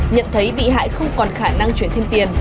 nhận thấy bị hại không còn khả năng chuyển thêm tiền